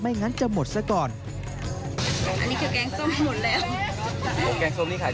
อันนี้ใช่ครับ